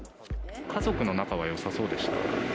家族の仲はよさそうでした？